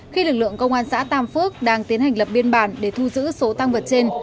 khi lực lượng công an xã tam phước đang tiến hành lập biên bản để thu giữ số tăng vật trên